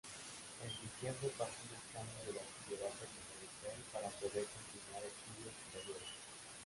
En diciembre pasó un examen de bachillerato diferencial para poder continuar estudios superiores.